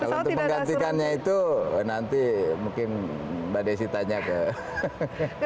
kalau untuk menggantikannya itu nanti mungkin mbak desi tanya ke